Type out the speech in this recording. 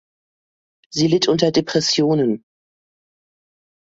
Sie litt unter Depressionen.